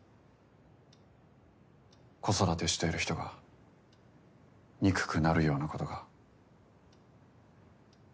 子育てしている人が憎くなるようなことが。